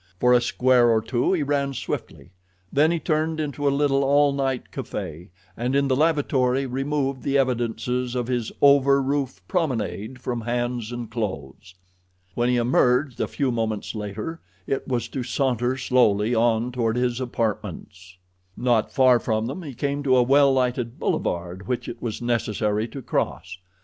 For a square or two he ran swiftly; then he turned into a little all night café and in the lavatory removed the evidences of his over roof promenade from hands and clothes. When he emerged a few moments later it was to saunter slowly on toward his apartments. Not far from them he came to a well lighted boulevard which it was necessary to cross.